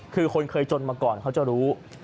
คือคนเคยจนมาก่อนเขาจะรู้